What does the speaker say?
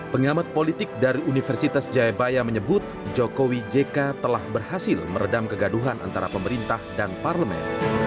pengamat politik dari universitas jayabaya menyebut jokowi jk telah berhasil meredam kegaduhan antara pemerintah dan parlemen